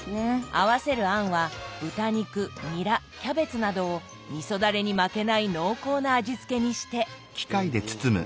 合わせる餡は豚肉ニラキャベツなどをみそダレに負けない濃厚な味付けにして。